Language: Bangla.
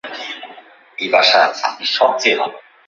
ভালো আছেন শ্রীশবাবু?